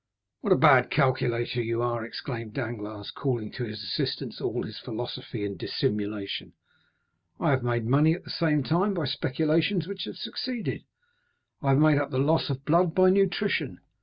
30253m "What a bad calculator you are!" exclaimed Danglars, calling to his assistance all his philosophy and dissimulation. "I have made money at the same time by speculations which have succeeded. I have made up the loss of blood by nutrition.